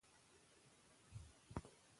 که ماشوم تمرکز ونلري، لارښوونه ورته وکړئ.